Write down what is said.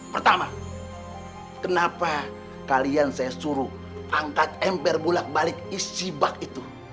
pertama kenapa kalian saya suruh angkat ember bulat balik isi bak itu